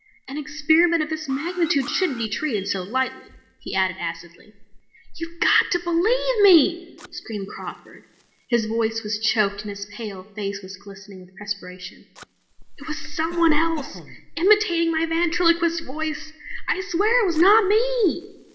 "An experiment of this magnitude shouldn't be treated so lightly," he added acidly. "You've got to believe me!" screamed Crawford. His voice was choked and his pale face was glistening with perspiration. "It was someone else, imitating my ventriloquist voice! I swear it was not me!"